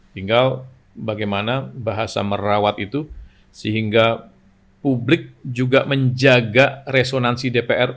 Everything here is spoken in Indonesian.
tinggal bagaimana bahasa merawat itu sehingga publik juga menjaga resonansi dpr